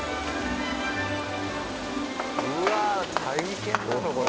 うわあ大変だなこれ。